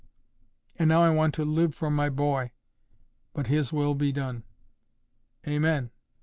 "And now I want to live for my boy. But His will be done." "Amen.